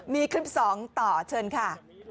มีคลิป๒ต่อเชิญค่ะ